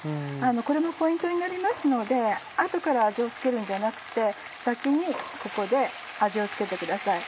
これもポイントになりますので後から味を付けるんじゃなくて先にここで味を付けてください。